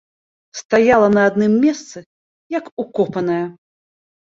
Стаяла на адным месцы як укопаная.